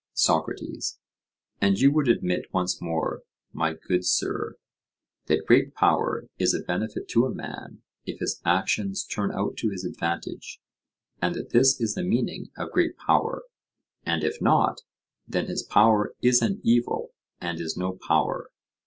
SOCRATES: And you would admit once more, my good sir, that great power is a benefit to a man if his actions turn out to his advantage, and that this is the meaning of great power; and if not, then his power is an evil and is no power.